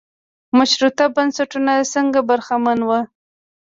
مشروطه بنسټونو څخه برخمن و.